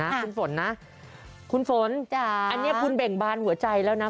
คุณฝนนะคุณฝนอันนี้คุณเบ่งบานหัวใจแล้วนะ